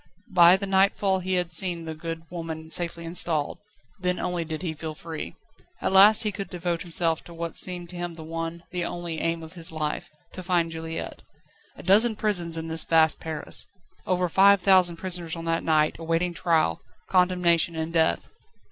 By the nightfall he had seen the good woman safely installed. Then only did he feel free. At last he could devote himself to what seemed to him the one, the only, aim of his life to find Juliette. A dozen prisons in this vast Paris! Over five thousand prisoners on that night, awaiting trial, condemnation and death.